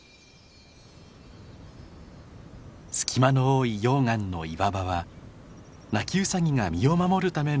隙間の多い溶岩の岩場はナキウサギが身を守るための絶好の隠れがになっているのです。